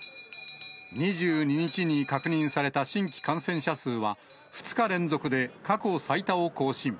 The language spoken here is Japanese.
２２日に確認された新規感染者数は、２日連続で過去最多を更新。